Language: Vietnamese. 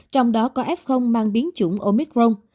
trong đó có f mang biến chủng omicron